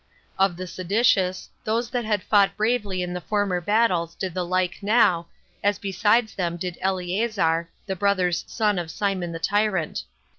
Of the seditious, those that had fought bravely in the former battles did the like now, as besides them did Eleazar, the brother's son of Simon the tyrant.